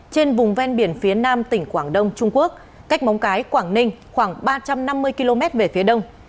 trên vùng ven biển phía nam tỉnh quảng đông trung quốc cách móng cái quảng ninh khoảng ba trăm năm mươi km về phía đông